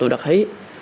tụi đặc hỷ